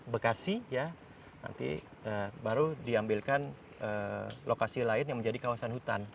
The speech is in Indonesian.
bekasi ya nanti baru diambilkan lokasi lain yang menjadi kawasan hutan